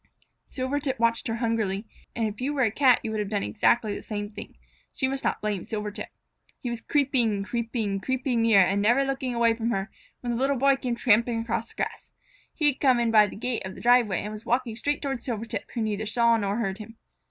Silvertip watched her hungrily, and if you were a Cat you might have done exactly the same thing. So you must not blame Silvertip. He was creeping, creeping, creeping nearer, and never looking away from her, when the Little Boy came tramping across the grass. He had come in by the gate of the driveway, and was walking straight toward Silvertip, who neither saw nor heard him.